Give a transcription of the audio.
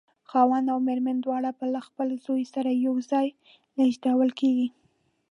خاوند او مېرمن دواړه به له خپل زوی سره یو ځای لېږدول کېږي.